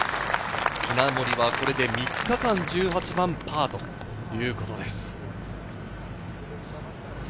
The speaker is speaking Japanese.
稲森はこれで３日間１８番パーということです。